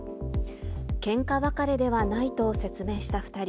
けんか別れではないと説明した２人。